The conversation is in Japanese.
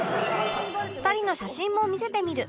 ２人の写真も見せてみる